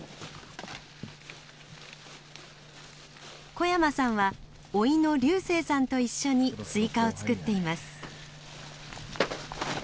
小山さんはおいの龍聖さんと一緒にスイカを作っています。